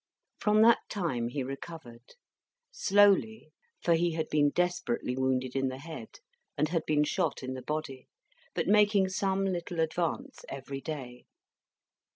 From that time, he recovered. Slowly, for he had been desperately wounded in the head, and had been shot in the body, but making some little advance every day.